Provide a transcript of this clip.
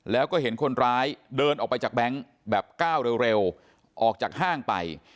แล้วก็เห็นคนร้ายเดินออกไปจากแบงค์แบบก้าวเร็วออกจากห้างไป